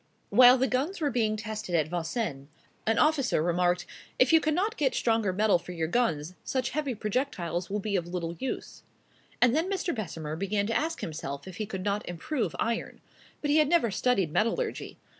While the guns were being tested at Vincennes, an officer remarked, "If you cannot get stronger metal for your guns, such heavy projectiles will be of little use." And then Mr. Bessemer began to ask himself if he could not improve iron. But he had never studied metallurgy.